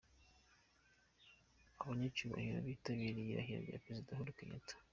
Abanyacyubahiro bitabiriye irahira rya Perezida Uhuru Kenyatta.